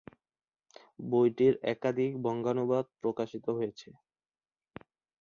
বইটির একাধিক বঙ্গানুবাদ প্রকাশিত হয়েছে।